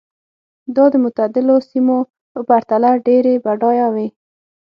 دا د معتدلو سیمو په پرتله ډېرې بډایه وې.